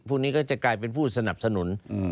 พวกนี้ก็จะกลายเป็นผู้สนับสนุน